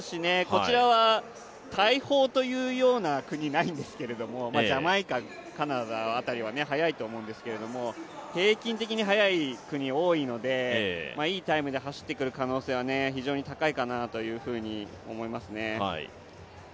こちらは大砲というような国はないんですけどジャマイカ、カナダ辺りは速いと思うんですけれども、平均的に速い国が多いので、いいタイムで走ってくる可能性は非常に高いかなと思いますね。